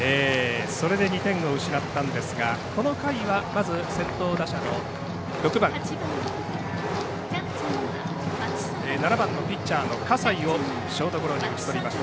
それで２点を失ったんですがこの回は先頭打者の７番ピッチャーの葛西をショートゴロに打ち取りました。